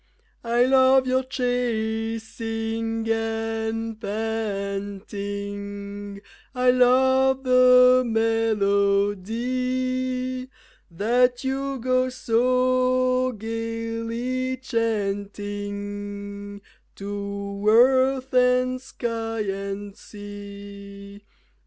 I love your chasing and panting, I love the melody, That you go so gaily chanting To earth, and sky, and sea.